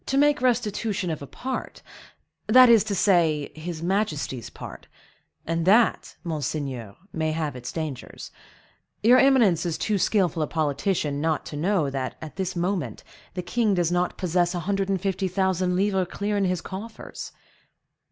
"To make restitution of a part,—that is to say, his majesty's part; and that, monseigneur, may have its dangers. Your eminence is too skillful a politician not to know that, at this moment, the king does not possess a hundred and fifty thousand livres clear in his coffers."